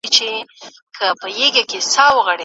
دا لاره تر هغه بلي لنډه ده.